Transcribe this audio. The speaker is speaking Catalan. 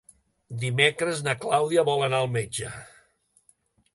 Dimecres na Clàudia vol anar al metge.